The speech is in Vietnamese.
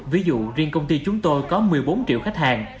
ví dụ riêng công ty chúng tôi có một mươi bốn triệu khách hàng